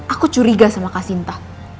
aku curiga sama kak sinta